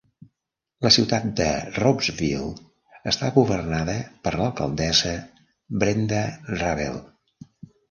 La ciutat de Ropesville està governada per l'alcaldessa Brenda Rabel.